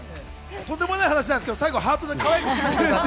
とんでもない話なんですけど、最後はハートでかわいくしめて。